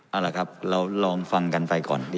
เอาล่ะครับเราลองฟังกันไปก่อน